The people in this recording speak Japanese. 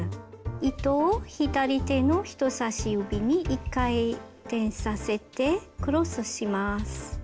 糸を左手の人さし指に１回転させてクロスします。